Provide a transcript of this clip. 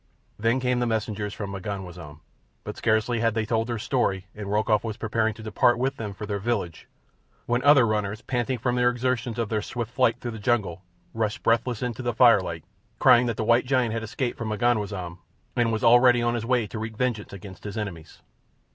Then came the messengers from M'ganwazam, but scarce had they told their story and Rokoff was preparing to depart with them for their village when other runners, panting from the exertions of their swift flight through the jungle, rushed breathless into the firelight, crying that the great white giant had escaped from M'ganwazam and was already on his way to wreak vengeance against his enemies.